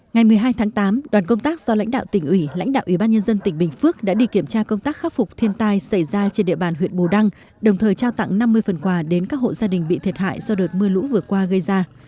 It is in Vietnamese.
ngày một mươi hai tháng tám đoàn công tác do lãnh đạo tỉnh ủy lãnh đạo ủy ban nhân dân tỉnh bình phước đã đi kiểm tra công tác khắc phục thiên tai xảy ra trên địa bàn huyện bù đăng đồng thời trao tặng năm mươi phần quà đến các hộ gia đình bị thiệt hại do đợt mưa lũ vừa qua gây ra